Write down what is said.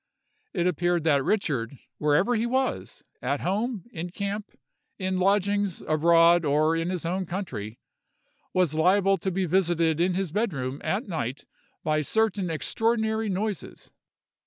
It appeared that Richard, wherever he was—at home, in camp, in lodgings, abroad, or in his own country—was liable to be visited in his bed room at night by certain extraordinary noises.